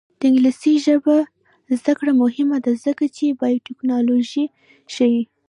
د انګلیسي ژبې زده کړه مهمه ده ځکه چې بایوټیکنالوژي ښيي.